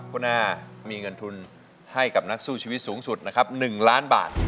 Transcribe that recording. คุณอามีเงินทุนให้กับนักสู้ชีวิตสูงสุดนะครับ๑ล้านบาท